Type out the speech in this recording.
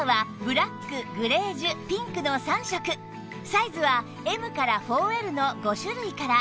サイズは Ｍ から ４Ｌ の５種類から